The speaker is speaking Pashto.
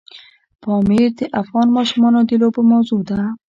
پامیر د افغان ماشومانو د لوبو موضوع ده.